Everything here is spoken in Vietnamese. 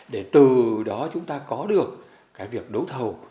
để từ đó chúng ta có được cái việc đấu thầu